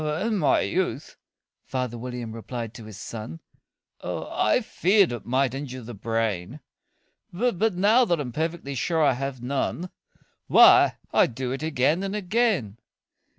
"In my youth," father William replied to his son, "I feared it might injure the brain; But, now that I'm perfectly sure I have none, Why, I do it again and again."